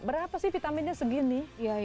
berapa sih vitaminnya segini